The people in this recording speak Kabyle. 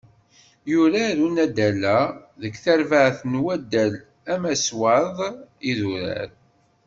Yurar unaddal-a deg terbaεt n waddal amaswaḍ Idurar.